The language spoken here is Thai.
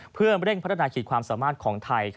เพื่อเร่งพัฒนาขีดความสามารถของไทย